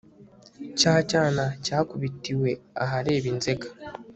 cya cyana cyakubitiwe ahareba inzega